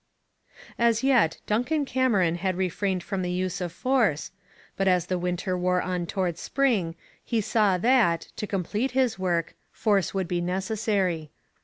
As yet Duncan Cameron had refrained from the use of force, but as winter wore on towards spring he saw that, to complete his work, force would be necessary.